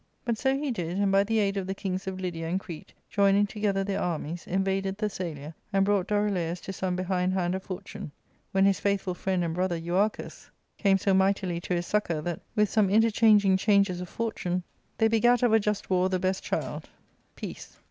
But so he did, and by the aid of the kings of Lydia and Crete, joining together their armies, invaded Thessalia, and brought Dorilaus to some behind hand of fortune ; when his faithful friend and brother Euarchus came so mightily to his ARCADIA,— Book 11. 149 fiuccour that, with some interchanging changes of fortune, they begat of a just war the best child — peace.